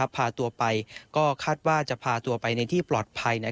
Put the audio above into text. พาตัวไปก็คาดว่าจะพาตัวไปในที่ปลอดภัย